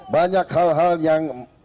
banyak hal hal yang